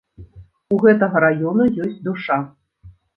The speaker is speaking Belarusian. У гэтага раёна ёсць душа.